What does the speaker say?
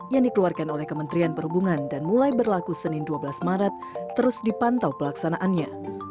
yang dikeluarkan oleh kementerian perhubungan dan mulai berlaku senin dua belas maret terus dipantau pelaksanaannya